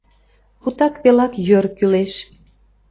Путак пелак йӧр кӱлеш.